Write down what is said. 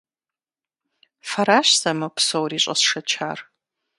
Фэращ сэ мы псори щӀэсшэчар.